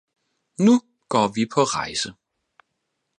Nu går vi på rejse!